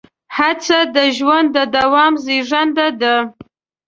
هڅه د ژوند د دوام زېږنده ده.